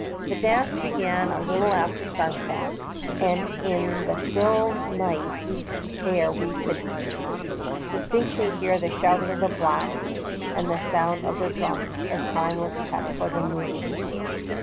The dance began a little after sunset, and in the still night air we could distinctly hear the shouting of the blacks and the sound of their drums, as time was kept for their move ments.